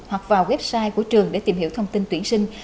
hoặc vào website của trường để tìm hiểu thông tin tuyển sinh